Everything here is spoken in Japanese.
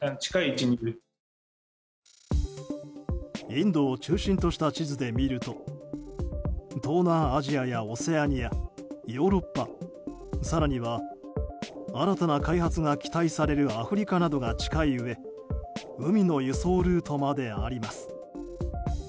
インドを中心とした地図で見ると東南アジアやオセアニアヨーロッパ更には新たな開発が期待されるアフリカなどが近いうえ海の輸送ルートなどもあります。